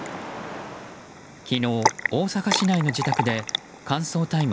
昨日、大阪市内の自宅で乾燥大麻